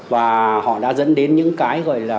và họ đã dẫn đến những cái gọi là